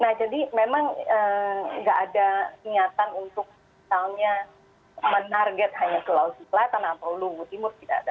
nah jadi memang nggak ada niatan untuk misalnya menarget hanya ke laut selatan atau lugu timur tidak ada